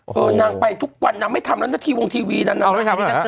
โอ้โหนางไปทุกวันนางไม่ทำแล้วนะที่วงทีวีนั้นนะ